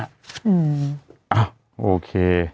อ้าวโอเค